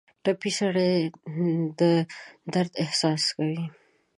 ټپي سړی د درد احساس کوي.